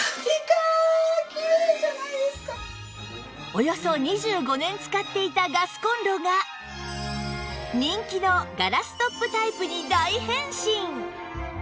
およそ２５年使っていたガスコンロが人気のガラストップタイプに大変身！